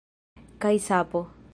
Kaj sapo!